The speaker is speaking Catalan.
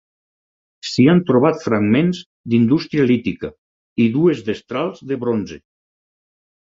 S'hi han trobat fragments d'indústria lítica i dues destrals de Bronze.